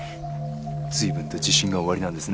随分と自信がおありなんですね。